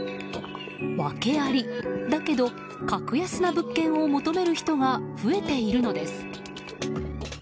訳ありだけど格安な物件を求める人が増えているのです。